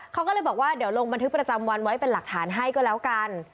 เขาก็เลยบอกว่าเดี๋ยวลงบันทึกประจำวันไว้เป็นหลักฐานให้ก็แล้วกัน